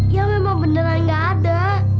ya memang beneran gak ada